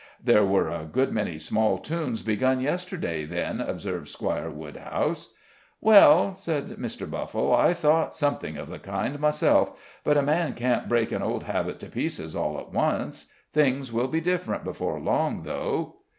"There were a good many small tunes begun yesterday, then," observed Squire Woodhouse. "Well," said Mr. Buffle, "I thought something of the kind, myself, but a man can't break an old habit to pieces all at once. Things will be different before long, though."